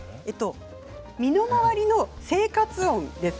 身の回りの生活音です。